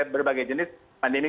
berbagai jenis pandemi